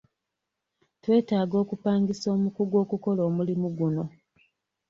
Twetaaga okupangisa omukugu okukola omulimu guno.